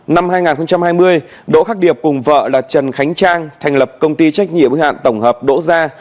năm hai nghìn hai mươi đỗ khắc điệp cùng vợ là trần khánh trang thành lập công ty trách nhiệm hạn tổng hợp đỗ gia